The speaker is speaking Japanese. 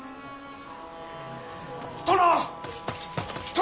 殿！